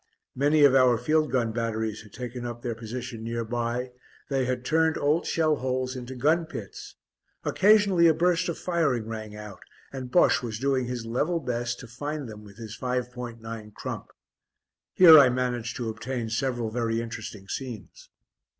Many of our field gun batteries had taken up their position near by: they had turned old shell holes into gun pits occasionally a burst of firing rang out, and Bosche was doing his level best to find them with his 5.9 crump. Here I managed to obtain several very interesting scenes.